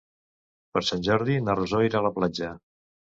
Per Sant Jordi na Rosó irà a la platja.